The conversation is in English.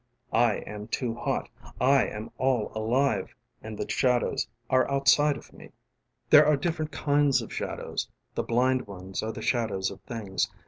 I am too hot, I am all alive and the shadows are outside of me. :: ┬Ā┬ĀThere are different kinds of shadows. ┬Ā┬ĀThe blind ones ┬Ā┬Āare the shadows of things.